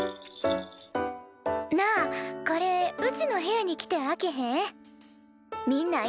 なあこれうちの部屋に来て開けへん？